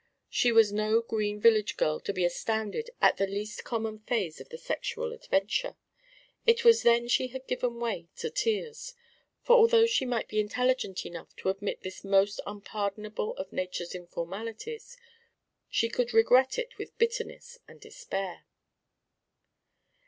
She was no green village girl to be astounded at the least common phase of the sexual adventure. It was then she had given way to tears, for although she might be intelligent enough to admit this most unpardonable of nature's informalities, she could regret it with bitterness and despair.